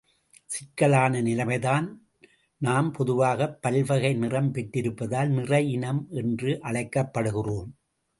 சிக்கலான நிலைமைதான், நாம் பொதுவாகப் பல்வகை நிறம் பெற்றிருப்பதால் நிற இனம் என்று அழைக்கப்படுகிறோம்.